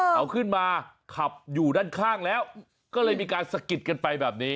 เขาขึ้นมาขับอยู่ด้านข้างแล้วก็เลยมีการสะกิดกันไปแบบนี้